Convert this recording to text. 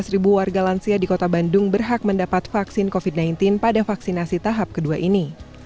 tujuh belas ribu warga lansia di kota bandung berhak mendapat vaksin covid sembilan belas pada vaksinasi tahap kedua ini